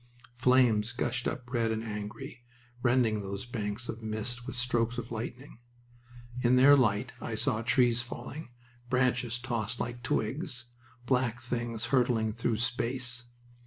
Flames gushed up red and angry, rending those banks of mist with strokes of lightning. In their light I saw trees falling, branches tossed like twigs, black things hurtling through space.